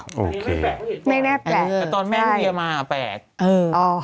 โอเคไม่แปลกหรือเปล่าแต่ตอนแม่พี่เบียมาแปลกเอออ๋อ